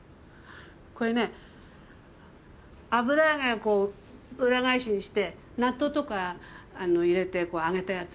これね油揚げをこう裏返しにして納豆とかあの入れてこう揚げたやつ。